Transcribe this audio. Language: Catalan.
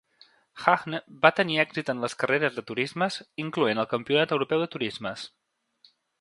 Hahne va tenir èxit en les carreres de turismes, incloent el Campionat Europeu de Turismes.